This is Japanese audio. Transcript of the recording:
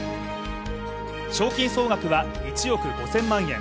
賞金総額は１億５０００万円。